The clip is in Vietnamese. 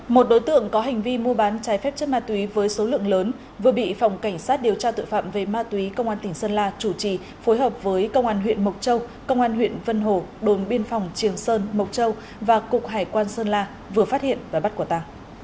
một đối tượng có hành vi mua bán trái phép chất ma túy với số lượng lớn vừa bị phòng cảnh sát điều tra tự phạm về ma túy công an tỉnh sơn la chủ trì phối hợp với công an huyện mộc châu công an huyện vân hồ đồn biên phòng trường sơn mộc châu và cục hải quan sơn la vừa phát hiện và bắt quả tàng